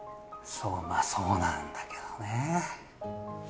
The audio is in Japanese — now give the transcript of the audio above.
まあそうなんだけどね。